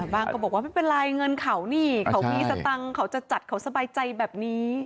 ก็บอกว่าไม่เป็นไรเงินเขานี่เขามีสตังค์เขาจะจัดเขาสบายใจแบบนี้